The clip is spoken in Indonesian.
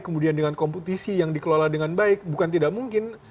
kemudian dengan kompetisi yang dikelola dengan baik bukan tidak mungkin